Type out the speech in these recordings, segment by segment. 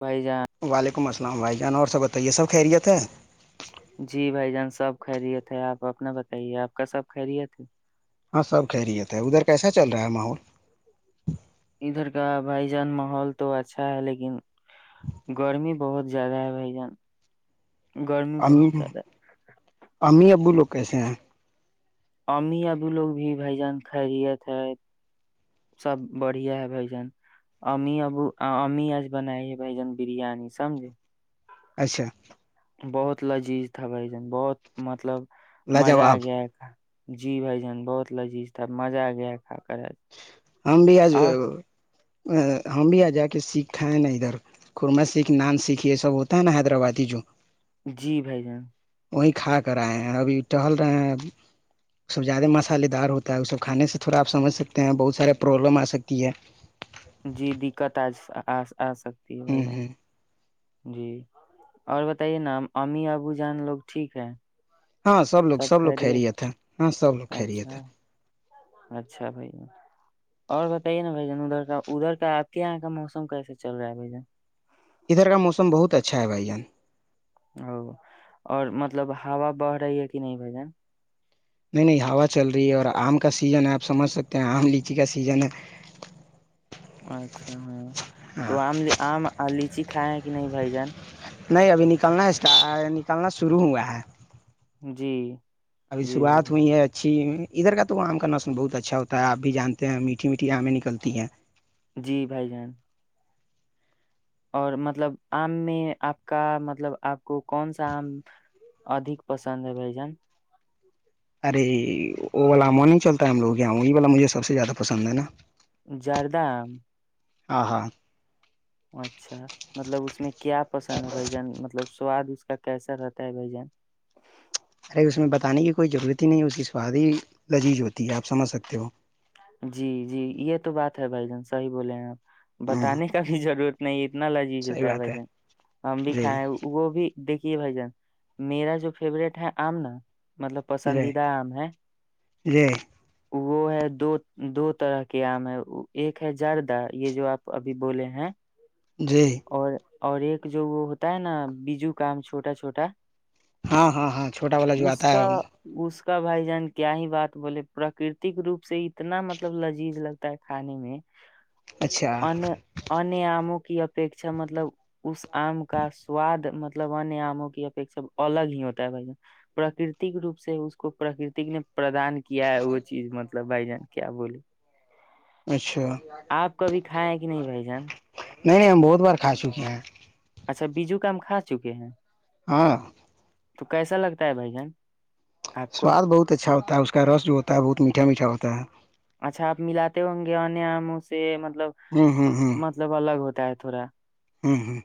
بھائی جان وعلیکم السلام بھائی جان اور سب بتائیے سب خیریت ہے جی بھائی جان سب خیریت ہے اپ اپنا بتائیے اپ کا سب خیریت ہے ہاں سب خیریت سے ادھر کیسا چل رہا ہے ماحول ادھر کا بھائی جان ماحول تو اچھا ہے لیکن گرمی بہت زیادہ ہے بھائی جان گرمی امی بہت زیادہ ہے امی ابو لوگ کیسے ہیں امی ابو لوگ ہیں بھائی جان خیریت ہے سب بڑھیا ہے بھائی جان امی ابو امی اج بنا ہے یہ بھائی جان بریانی سمجھ اچھا بہت لذیذ تھا بھائی جان بہت مطلب مزہ لاجواب اگیا ہے جی بھائی جان بہت لذیذ تھا مزہ اگیا ہم بھی اج ہم بھی ا جائے کسی ہیں ادھر کرنا سیکھ نان سیکھ یہ سب ہوتا ہیں حیدرآبادی ہو جی بھائی جان اوہی کھا کر ائے ہیں ابھی ڈال رہے ہیں سجاد مصالے دار ہوتا ہے اس کو کھانے سے تھوڑا اپ سمجھ سکتے ہیں بہت سارے پرابلم ا سکتی ہے جی دقت [unintelligible] ا سکتی ہے بھائی ہوں جان ہوں جی اور بتائیے نام امی ابو جان لوگ ٹھیک ہیں ہاں لوگ سب لوگ خیریت ہے ہاں سب لوگ خیریت اچھا ہے اچھا بھائی اور بتائیے نا بھائی جان ادھر ادھر اپ کے یہاں کا موسم کیسا چل رہا ہے بھائی جان ادھر کا موسم بہت اچھا ہے بھائی جان اور مطلب ہوا بار ہے یہ کہ نہیں بھائی جان نہیں نہیں ہوا چل رہی ہے اور ام کا سیزن ہے اپ سمجھ سکتے ہیں عام اور لیچی کا سیزن ہے اچھا تو ہاں عام عام اور لیچی کھائیں کہ نہیں بھائی جان نہیں ابھی نکلنا ہے اس کا نکالنا شروع ہوا ہے جی ابھی جی بھائی شروعات جان ہوئی ہے اچھی [unintelligible] ادھر کا تو عام کرنا سن بہت اچھا اور اپ بھی جانتے ہیں میٹھی میٹھی امی نکلتی ہے جی بھائی جان اور مطلب ام میں اپ کا مطلب اپ کو کون سا عام ادھی پسند ہے بھائی جان ارے وہ وال مو نہیں چلتا ہے ہم لوگ یہاں وہی والا مجھے سب سے زیادہ پسند ہے نا۔ جاردہ۔ اہا۔ مطلب اس میں کیا پسند ہے بھائی جان مطلب سواد اس کیسا رہتے ہے بھیا۔ اس میں بتانے کی کوئی ضرورت ہی نہیں اس کی سواد ہی لزیز ہوتی ہے اپ سمجھ سکتے ہو۔ جی جی یہ تو بات ہے بھائی جان صحیح بولیں ہیں آپ ہوں بتانے کا بھی ضرورت نہیں۔ اتنا لذیذ صحیح ہوتا ہے بات بھائی جان ہم بھی جی کھائیں وہ بھی۔ دیکھیے بھائی جان میرا جو فیورٹ ہے آم نا۔ مطلب جی پسندیدہ آم ہے۔ جی وہ ہے دو۔ دو طرح کی ایک ہے جر دار یہ جو اپ ابھی بولیں ہیں۔ جی اور‌۔ اور ایک جو وہ ہوتا ہے نا بیجو کام چھوٹا چھوٹا۔ ہا ہا ہا چھوٹا والا جو اتا ہے۔ تو بھائی جان کیا ہی بات بولے پراکرتی کے روپ سے اتنا مطلب لذیذ لگتا ہے کھانے میں۔ اچھا انے انے عامک۔ یس۔ ایک اچھا مطلب اس عام کا سواد مطلب ان آمو کےادکتم الگ ہی ہوتا ہے پراکرتی کے روپ سےہی اس کو پراگرتی نے۔ پردان کیا ہے وہ چیز مطلب بھائی جان۔ کیا بولوں۔ اچھا۔ آپ کبھی کھایے ہے کہ نہیں بھائی جان۔ نہیں نہیں ہم بہت بار کھا چکے ہے۔ بیجو کا آم کھا چکے ہیں۔ ہاں۔ تو کیسا لگتا ہے بھائی جان۔ آپ کو سواد بہت اچھا ہوتا ہے اس کا رس جو ہوتا ہے بہت میٹھا میٹھا ہوتا ہیں۔ [inaudible] اچھا اپ ملاتے ہوں گے ان آمو سے۔ مطلب ہوں ہوں مطلب الگ ہوتے ہیں۔ [unintelligible] ہم ہم۔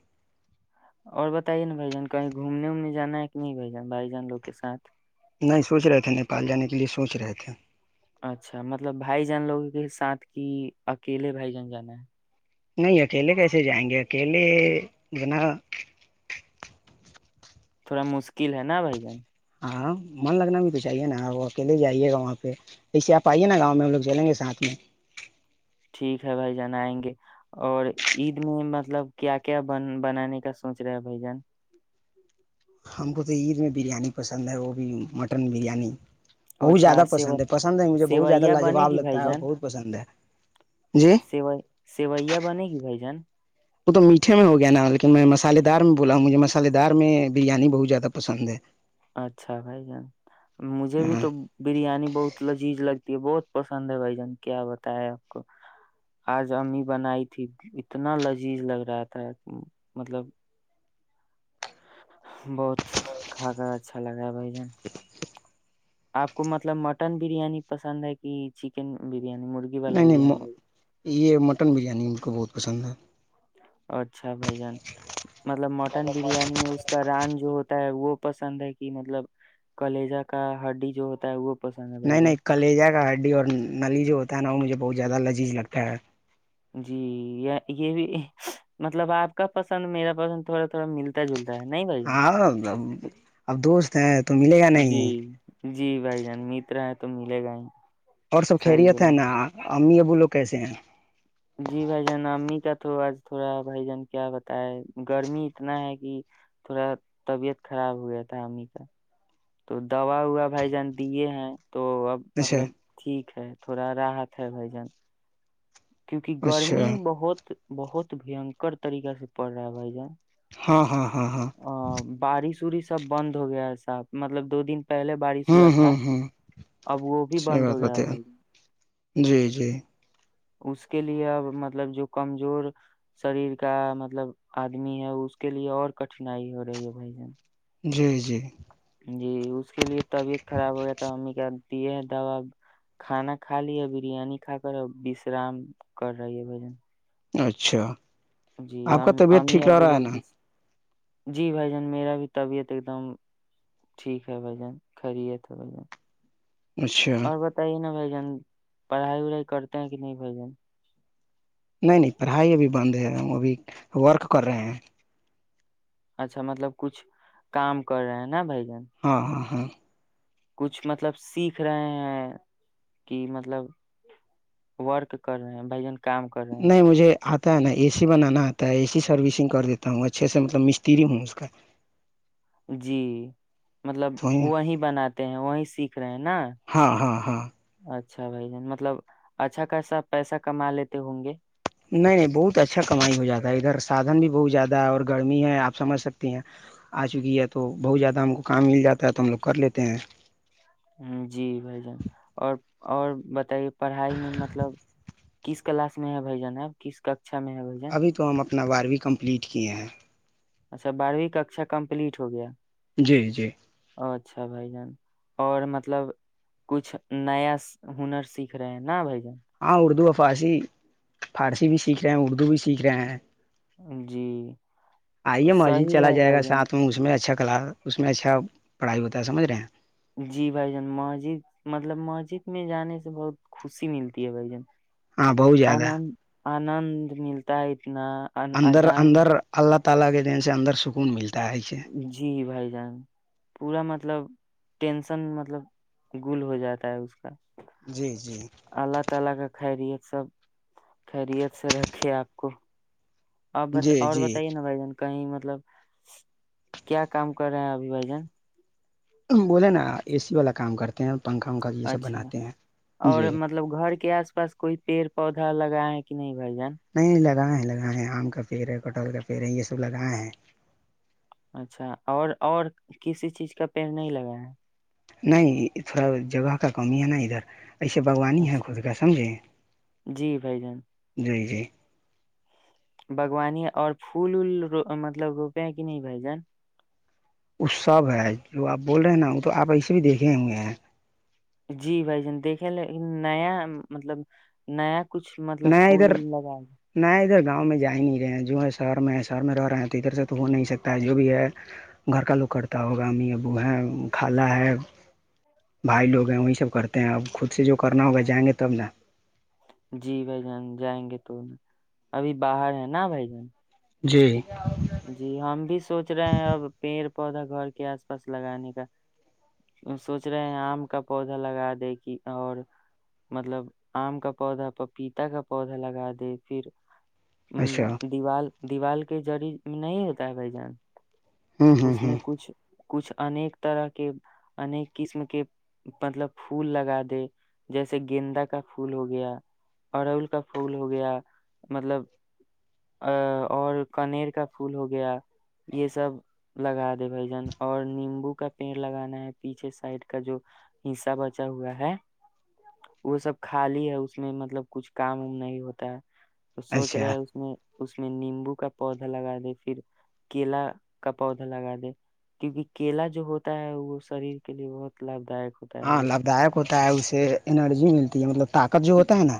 اور بتائیے نا بھائی جان کہی گھومنے ومنے جانا ہے کہ نہیں بھیجان بھائی جان لوگ کے ساتھ۔ نہیں سوچ رہے تھے نیپال جانے کے لیے سوچ رہے تھے اچھا مطلب بھائی جان لوگوں کے ساتھ کی اکیلے بھائی جان جانا ہے۔ نہیں اکیلے کیسے جائیں گے اکیلے بھینا۔ تھوڑا مشکل ہے نا بھائی جان۔ ہاں من لگنا بھی تو چاہیے نا وہ اکیلے جائیے گا وہاں پے ایسے اپ ائیے نا یہاں پے ہم لوگ چلیں گے ساتھ میں۔ ٹھیک ہے بھائی جان ائیں گے اور عید می مطلب کیا کیا بنانے کا سوچ رہے ہے بھائی جان۔ ہم کو تو عید میں بریانی پسند ہے وہ بھی مٹن بریانی۔ او بہت اچھا زیادہ پسند ہے پسند ہے مجھے بہت زیادہ سوایہ بنے لاجواب گی بھائی لگتا ہے اور جان بہت پسند ہے جی سی سویا بنے گی بھائی جان۔ وہتو میٹھے میں ہو گیا نا بلکہ میں مصالحے دار میں بولا ہوں مجھے مصالحے دار میں بریانی بہو زیادہ پسند ہے اچھا بھائی جان مجھے بھی ہاں تو بریانی بہت لذیذ لگ یہ بہت پسند ہے بھائی جان کیا بتایا ہے اپ کو اج امی بنائی تھی اتنا لذیذ لگ رہا تھا مطلب بہت اچھا لگا بھائی جان اپ کو مطلب مٹن بریانی پسند ہے کہ چکن بریانی مرغی والا نہیں نہیں بریانی یہ مٹن بریانی بہت پسند ہے اچھا بھائی جان مطلب مٹن بریانی میں ران جو ہوتا ہے وہ پسند ہے کہ مطلب کلیجہ کا ہڈی جو ہوتا ہے وہ پسند ہے بھائی نہیں نہیں جان کل لے جائے گا اور نلی جو ہوتا ہے نا وہ مجھے بہت زیادہ لذیز لگتا ہے جی یہ مطلب اپ کا پسند میرا پسند تھوڑا تھوڑا ملتا جلتا ہے نہیں بھائی جان ہے اب دوست ہیں تو ملے گا نہیں جی ہم ملے گا ہی اور سب صحیح خیریت ہے بولے نا امی ابو لوگ کیسے ہیں جی بھائی جان امی کا تھوڑا بھائی جان کیا بتایا گرمی اتنا ہے کی تھوڑا طبیعت خراب رہتا امی کا تو دعوی ہوا بھائی جان دیے ہیں تو اب اچھا مطلب ٹھیک ہے تھوڑا راحت ہے بھائی جان کیونکہ گرمی اچھا بہت بہت بھیانک طریقہ سے پڑھ رہا ہے بھائی جان ہے ہے ہے بارش یورش سب بند ہو گیا ایسا مطلب دو دن پہلے بارش ہوا ہوں تھا ہوں ہوں اب وہ بھی صحیح بند ہو بات گیا بات بھائی جی جی اس کے لیے اب مطلب جو کمزور سریر کا مطلب ادمی ہے اس کے لیے اور کٹھنائی ہو رہی ہے بھائی جان جی جی جی اس کے لیے طبیعت خراب ہو گیا تھا امی کا دیے ہیں دعوی کھانا کھا لی ہے بریانی کھا کر وسرام کر رہی ہے اچھا جی آپ کا طبیعت امی ٹھیک رہ ابو رہا ہے لوگ نا جی بھائی جان میرا بھی طبیعت ایک دم ٹھیک ہے بھائی جان خیریت ہے اچھا اور بتائیے نا بھائی پڑھائی بڑھائی کرتے ہیں کہ نہیں بھائی جان نہیں نہیں پڑھائی ابھی بند ہے ابھی ورک کر رہے ہیں اچھا مطلب کچھ کام کر رہا ہے نا بھائی جان [unintelligible] کچھ مطلب سیکھ رہے ہیں کہ مطلب ورک کر رہے ہیں کام کر رہے ہیں نہیں مجھے اتا نہیں ایسی بنانا اتا ہے اسی سروسنگ کر دیتا ہوں اچھے سے مطلب مشتی بھی ہوں اس کا جی مطلب تو وہیں بناتے ہیں وہیں سیکھ رہے ہیں نا ہاں ہاں ہاں اچھا بھائی جان مطلب اچھا خاصا پیسہ کما لیتے ہوں گے نہیں بہت اچھا کمائی ہو جاتا ہے ادھر سادن بھی بھوک جاتا ہے اور گرمی ہے اپ سمجھ سکتے ہیں ا چکی ہے تو بہت زیادہ ہم کو کام مل جاتا ہے تو ہم لوگ کر لیتے ہیں جی بھائی جان اور اور بتائیں پڑھائی میں مطلب کس کلاس میں ہے بھائی جان اپ کس اچھا میرا بھائی جان واری کمپلیٹ کیے ہیں [unintelligible] جی جی اچھا بھائی جان اور مطلب کچھ نیا ہنر سیکھ رہے ہیں نا ا اردوسی فارسی بھی سیکھ رہے ہیں اردو بھی سیکھ رہے ہیں جان جی ائیے ماضی صحیح چلا ہے جائے گا بھائی جان ساتھ میں اس میں اس میں اچھا پڑھائی ہوتا ہے سمجھ رہے ہیں جی بھائی اماں جی مطلب ماجد میں جانے سے بہت خوشی ملتی ہے بہت زیادہ آنند انند ملتا ہے اتنا ان- اذان [unintelligible] [unintelligible] جی بھائی جان پورا مطلب ٹینشن مطلب گول ہو جاتا ہے جی جی اللہ تعالی کا سب خیریت سے رکھے اپ کو کو کہہ رہی ہے نا جی اور جی بتائیے نا بھائی کہیں مطلب کیا کام کر رہے ہیں ابھی بھائی بولیں نا اس والا کام پنکھا وکھا یہ سب اچھا بناتے ہیں اور جی مطلب گھر کے اس پاس کوئی ادھا لگائیں کتنی [unintelligible] [unintelligible] اچھا اور اور کسی چیز کا پیل نہیں لگایا نہیں جگہ کا قومی ہے نا ادھر ہے اچھا جی بھائی جان [unintelligible] بھگوانی اور پھول مطلب ہوتا ہے کہ نہیں بھائی جان کچھ صاحب ہیں جو اپ بول رہے ہیں نا ہم تو اپ ایسے بھی دیکھ رہے ہیں جی بھائی جان دیکھیں نیا مطلب کچھ مطلب نیا پھول ادھر لگا نہ ادھر گاؤں میں جا ہی نہیں رہے ہیں جوہے میں سر میرا اور ادھر سے تو ہو نہیں سکتا جو بھی ہے گھر کا لکڑتا ہوگا امی ابو ہیں کھالا ہے بھائی لوگ ہیں وہیں سے کرتے ہیں اب خود سے جو کرنا ہوگا جائیں گے تب جی بھائی جان جائیں گے تو ابھی باہر ہے نا بھائی جی جی ہم بھی سوچ رہے ہیں اب پیڑ لگانے کا سوچ رہے ہیں ام کا پودا لگا دے گی اور مطلب ام کا کوزہ پپیتا کا پودا لگا دے پھر اچھا دیوال دیوال کے جری نہیں ہوتا ہے بھائی جان ہوں ہوں اس نے ہوں کچھ کچھ انیک طرح کے انیک قسم کے مطلب پھول لگا دے جیسے گندہ کا پھول ہو گیا اور ان کا پھول ہو گیا مطلب اور کانیر کا پھول ہو گیا یہ سب لگا دے بھائی جان اور نیمبو کا پیر لگانا ہے پیچھے سائیڈ کا جو حصہ بچا ہوا ہے وہ سب کھا لیا ہے اس میں مطلب کچھ کام نہیں ہوتا سوچ رہے اچھا ہیں اس میں اس نے نیمبو کا پودا لگا دی پھر کیلا کا پودا لگا دے کیونکہ کیلا جو ہوتا ہے وہ ساری کے لیے مطلب ہاں لبیک انرجی ملتی ہے مطلب طاقت جو ہوتا ہے نا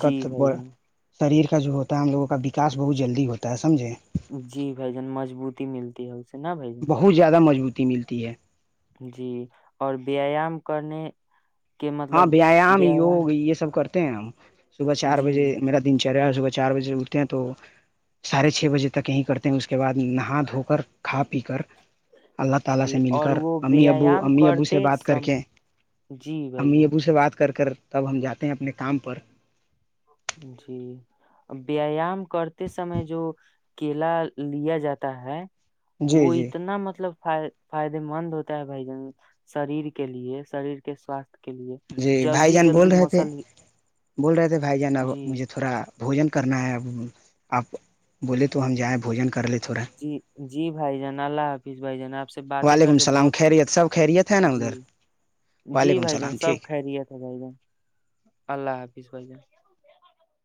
جی بھائی جان تاریخ کا جو ہوتا ہے ہم لوگوں کا بیکاز بہت جلدی ہوتا ہے سمجھیں جی بھائی جان مضبوطی ملتی ہے اسے نا بھائی جان بہت زیادہ موجود ڈی ملتی ہے جی اور بے ایام کرنے کہ مطلب ویایام یہ سب کر [inaudible] کرتے ہیں صبح چار جی بجے میرا دن چار بجے اٹھتے ہیں تو ساڑھے چھ بجے تک یہیں کرتے ہیں اس کے بعد ہو کر کھا پی کر اللہ تعالی جی سے مل اور کر وہ امی ابو ویایام امی ابو سے کرتے بات کر سم کے جی بھائی امی جان ابو سے بات کر کر تب ہم جاتے ہیں اپنے کام پر جی ایم پی ایم غور سے میں جو کیلا لیا جاتا ہے جی وہ جی اتنا مطلب بند ہو جائے بھائی جان سریر کے لیے سریر کے ساتھ جی بھائی جان بول رہے تھے بول رہے تھے بھائی جان کو جی یہ تھوڑا بھوجن کرنا ہے اپ بولے تو ہم جو ہے بھوجن کر لی جی جی بھائی جان اللہ حافظ بھائی جان باتیں وعلیکم کر کے السلام بہت خیریت سب خیریت ہے نا ادھر جی وعلیکم بھائی جان السلام ٹھیک سب خیریت ہے بھائی جان اللہ حافظ